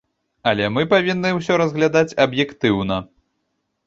Але мы павінны ўсё разглядаць аб'ектыўна.